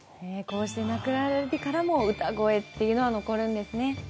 こうして亡くなられてからも歌声というのは残るんですね。